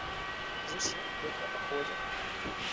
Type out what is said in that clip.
Зусім, як на паходзе.